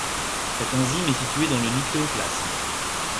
Cette enzyme est située dans le nucléoplasme.